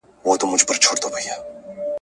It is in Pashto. د ابليس پندونه `